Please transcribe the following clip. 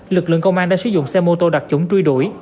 lực lượng công an đã sử dụng xe mô tô đặc chuẩn truy đuổi